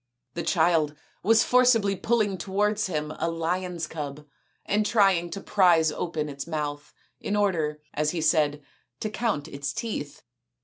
The child was forcibly pulling towards him a lion's cub and trying to prise open its mouth in order, as he said, " to count its teeth."